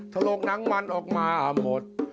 ถ้าโลกนั้งมันออกมาหมด